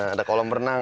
ada kolam berenang